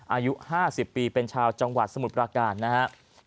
อายุ๕๐ปีเป็นชาวจังหวัดสมุทรปราการนะครับ